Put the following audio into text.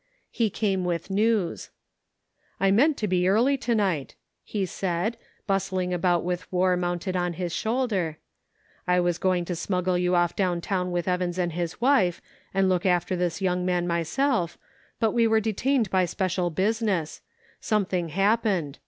He came with news. " I meant to be early to night," he said, bustling about with War mounted on his shoulder ;" I was going to smuggle you off down town with Evans and his wife, and look after this 3Toung man myself, but we were detained by special business ; something hap pened.